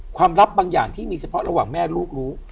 ลับบางอย่างที่มีเฉพาะระหว่างแม่ลูกรู้